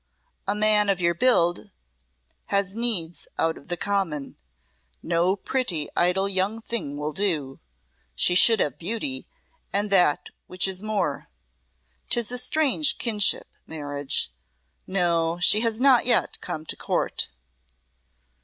"A man of your build has needs out of the common. No pretty, idle young thing will do. She should have beauty, and that which is more. 'Tis a strange kinship marriage. No; she has not yet come to court."